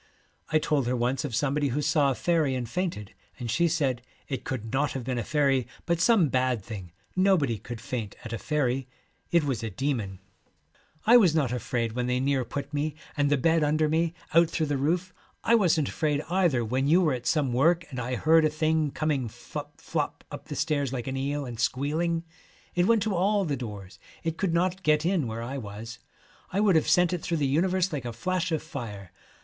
I told her once of somebody who saw a faery and fainted, and she said, ' It could not have been a faery, but some bad thing, nobody could faint at a faery. It was a demon. I 73 The was not afraid when they near put me, and Celtic Twilight, the bed under me, out through the roof. I wasn't afraid either when you were at some work and I heard a thing coming flop flop up the stairs like an eel, and squealing. It went to all the doors. It could not get in where I was. I would have sent it through the universe like a flash of fire.